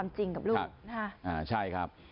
จริงกับลูกนะฮะใช่ครับ